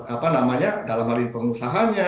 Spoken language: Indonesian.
apa namanya dalam hal ini pengusahanya